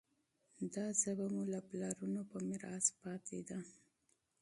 دا ژبه مو له پلرونو په میراث پاتې ده.